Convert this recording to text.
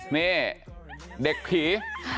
นี่เด็กผี